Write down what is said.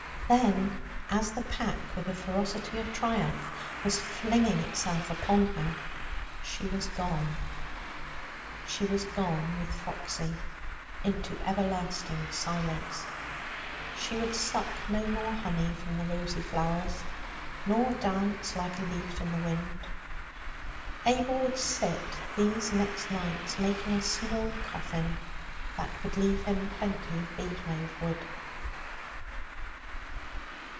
Then, as the pack, with a ferocity of triumph, was flinging itself upon her, she was gone. She was gone with Foxy into everlasting silence. She would suck no more honey from the rosy flowers, nor dance like a leaf in the wind. Abel would sit, these next nights, making a small coffin that would leave him plenty of beehive wood.